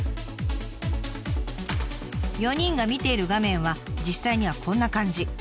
４人が見ている画面は実際にはこんな感じ。